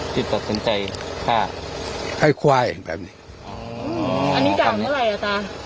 ที่ตัดสินใจฆ่าให้ควายแบบนี้อ๋ออ๋ออันนี้กำอะไรอ่ะตา